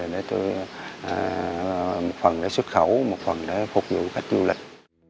một phần để xuất khẩu một phần để phục vụ khách du lịch